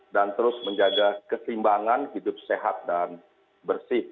dan terus menjaga keseimbangan hidup sehat dan bersih